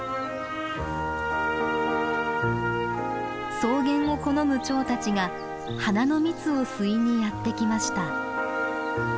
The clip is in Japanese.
草原を好むチョウたちが花の蜜を吸いにやって来ました。